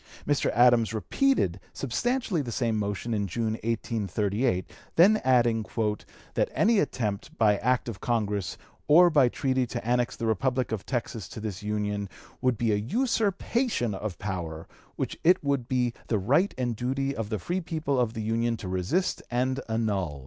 Mr. Adams repeated substantially the same motion in June, 1838, then adding "that any attempt by act of Congress or by treaty to annex the Republic of Texas to this Union would be an usurpation of power which it would be the right and the duty of the free people of the Union to resist and annul."